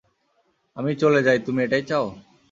আমি চলে যাই তুমি এটাই চাও?